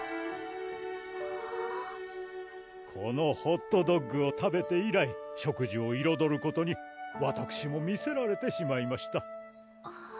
このホットドッグを食べて以来食事をいろどることにわたくしもみせられてしまいました